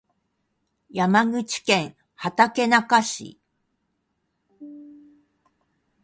山口県畑中市